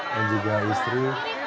dan juga istri